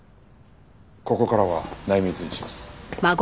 ここからは内密にします。